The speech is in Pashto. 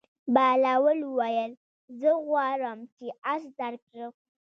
بهلول وویل: زه نه غواړم چې اس درکړم.